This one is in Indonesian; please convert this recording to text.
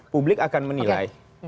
publik akan menilai